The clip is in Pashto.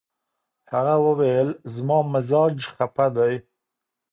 هغې وویل، "زما مزاج خپه دی."